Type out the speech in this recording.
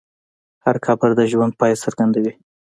هر قبر د ژوند پای څرګندوي.